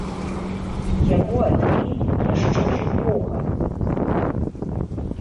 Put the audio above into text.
Яго адпелі яшчэ жывога.